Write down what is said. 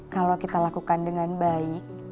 kalau kita lakukan dengan baik